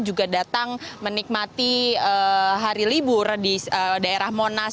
juga datang menikmati hari libur di daerah monas